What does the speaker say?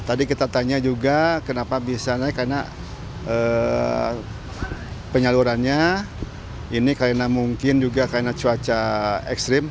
tadi kita tanya juga kenapa bisa naik karena penyalurannya ini karena mungkin juga karena cuaca ekstrim